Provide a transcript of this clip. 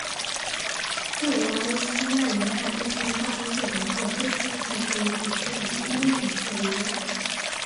克罗埃西亚沿海地区的大多数人口都居住在这一地区的中心城市里耶卡。